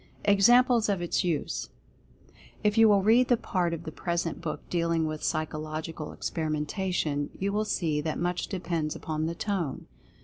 EXAMPLES OF ITS USE. If you will read the part of the present book dealing with Psychological Experimentation, you will see that much depends upon the Tone.